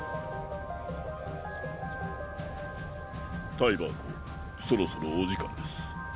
・タイバー公そろそろお時間です。